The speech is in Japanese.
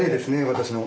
私の。